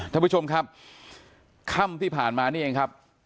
ท่านผู้ชมครับค่ำที่ผ่านมานี่เองครับ